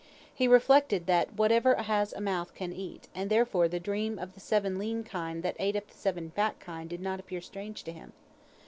He reflected that whatever has a mouth can eat, and therefore the dream of the seven lean kine that ate up the seven fat kine did not appear strange to him.